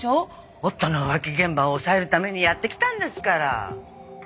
夫の浮気現場を押さえるためにやって来たんですから。